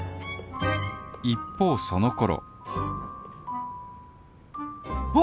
一方そのころお！